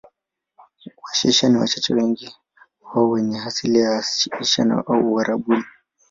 Washia ni wachache, wengi wao ni wenye asili ya Asia au Uarabuni.